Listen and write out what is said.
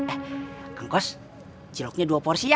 eh kang kos ciloknya dua porsi ya